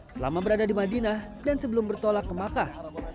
selama berada di madinah dan sebelum bertolak ke makkah